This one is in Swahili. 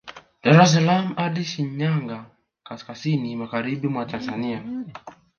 Dar es salaam hadi Shinyanga kaskazini magharibi mwa Tanzania